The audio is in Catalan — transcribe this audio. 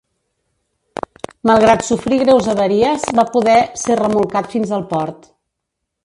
Malgrat sofrir greus avaries, va poder ser remolcat fins al port.